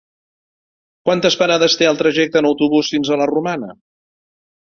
Quantes parades té el trajecte en autobús fins a la Romana?